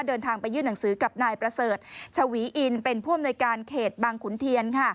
เดินทางไปยื่นหนังสือกับนายประเสริฐชวีอินเป็นผู้อำนวยการเขตบางขุนเทียน